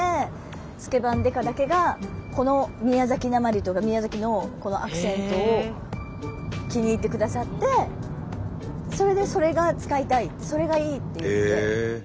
「スケバン刑事」だけがこの宮崎なまりというか宮崎のアクセントを気に入ってくださってそれでそれが使いたいそれがいいっていって。